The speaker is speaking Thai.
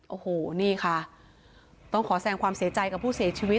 โอ้โหนี่ค่ะต้องขอแสงความเสียใจกับผู้เสียชีวิต